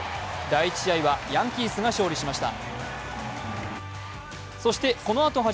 第１試合はヤンキースが勝利しました。